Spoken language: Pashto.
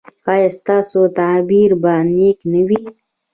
ایا ستاسو تعبیر به نیک نه وي؟